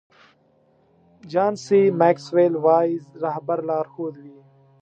جان سي ماکسویل وایي رهبر لارښود وي.